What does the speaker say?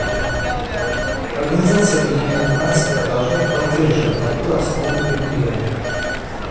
Организация Объединенных Наций продолжает поддерживать такую основу урегулирования.